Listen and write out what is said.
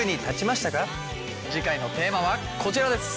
次回のテーマはこちらです。